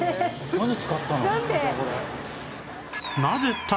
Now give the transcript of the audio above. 何使ったの？